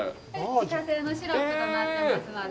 自家製のシロップとなってますので。